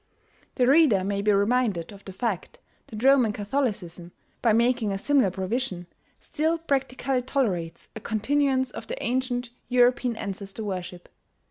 The reader may be reminded of the fact that Roman Catholicism, by making a similar provision, still practically tolerates a continuance of the ancient European ancestor worship.